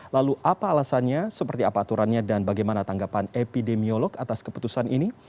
lalu apa alasannya seperti apa aturannya dan bagaimana tanggapan epidemiolog atas keputusan ini